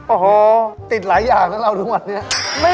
โอ้โหติดหลายอย่างนะเราทุกวันนี้